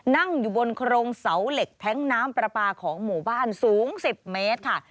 นั่งอยู่บนโครงเสาเหล็กแท้งน้ำปลาปลาของหมู่บ้านสูง๑๐เมตรค่ะ